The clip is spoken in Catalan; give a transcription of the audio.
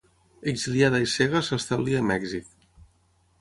Exiliada i cega s'establí a Mèxic.